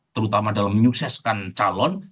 terutama dalam menyukseskan calon